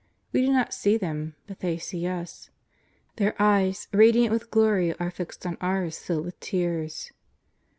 We do not see them, but they see us. Their eyes, radiant with glory, are fixed on ours filled with tears."